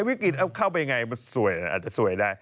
วิกฤตเอาเข้าไปยังไงมันสวยอาจจะสวยได้